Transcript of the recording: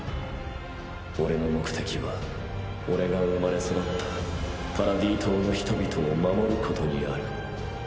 オレの目的はオレが生まれ育ったパラディ島の人々を守ることにある。